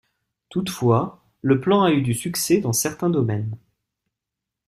Toutefois, le plan a eu du succès dans certains domaines.